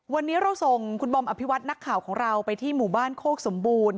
วันนี้เราส่งคุณบอมอภิวัตินักข่าวของเราไปที่หมู่บ้านโคกสมบูรณ์